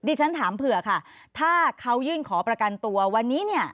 ฉันถามเผื่อค่ะถ้าเขายื่นขอประกันตัววันนี้เนี่ย